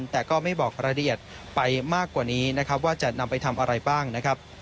แต่ก็ไม่บอกรายละเอียดไปมากกว่านี้นะครับว่าจะนำไปทำอะไรบ้างนะครับ